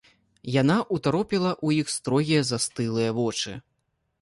Яна ўтаропіла ў іх строгія застылыя вочы.